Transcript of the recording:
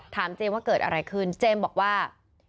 เจมส์ว่าเกิดอะไรขึ้นเจมส์บอกว่า